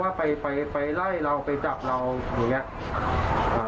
ว่าไปไปไล่เราไปจับเราอย่างเงี้ย